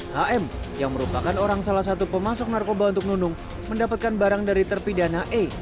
hm yang merupakan orang salah satu pemasok narkoba untuk nunung mendapatkan barang dari terpidana e